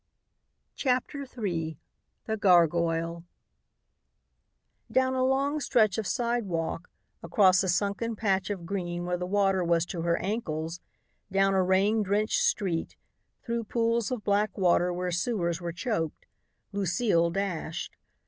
CHAPTER III THE GARGOYLE Down a long stretch of sidewalk, across a sunken patch of green where the water was to her ankles, down a rain drenched street, through pools of black water where sewers were choked, Lucile dashed.